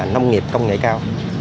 nông nghiệp công nghệ cao